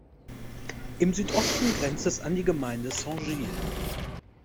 Im Südosten grenzt es an die Gemeinde Saint-Gilles.